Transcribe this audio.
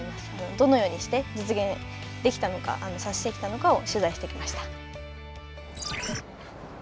どのようにして実現できたのか、させてきたのかを取材してきました。